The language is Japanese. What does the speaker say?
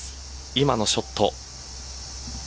今のショット。